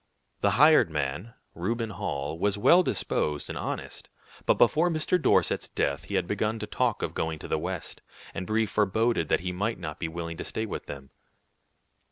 The hired man, Reuben Hall, was well disposed and honest, but before Mr. Dorset's death he had begun to talk of going to the West, and Brie foreboded that he might not be willing to stay with them.